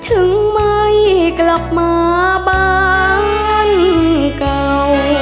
ถึงไม่กลับมาบ้านเก่า